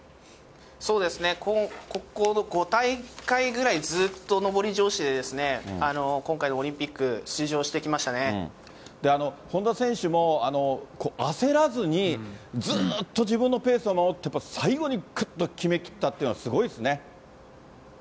ここの５大会ぐらいずっと上り調子で、今回のオリンピック、本多選手も、焦らずにずっと自分のペースを守って、最後にくっと決めきったっていうのは、すごいですね。